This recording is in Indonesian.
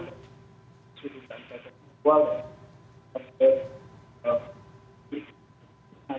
dan pertama mungkin ada kaitannya sama mas nugi